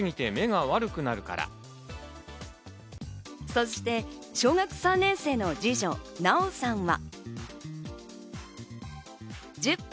そして小学３年生の二女・なおさんは。